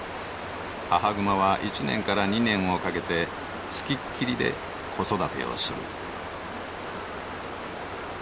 母熊は１年から２年をかけて付きっきりで子育てをする。